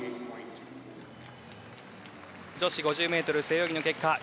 女子５０ｍ背泳ぎの結果です。